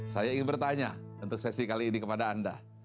saya ingin bertanya untuk sesi kali ini kepada anda